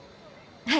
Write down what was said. はい。